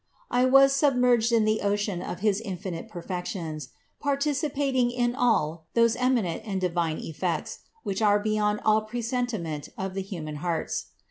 I was submerged in the ocean of his infinite perfections, participating in all those eminent and divine effect, which are beyond all presentiment of the human hearts.